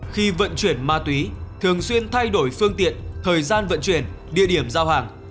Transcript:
khi vận chuyển ma túy thường xuyên thay đổi phương tiện thời gian vận chuyển địa điểm giao hàng